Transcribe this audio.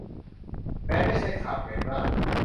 แม้ไม่ใช่ข่าวใหญ่มาก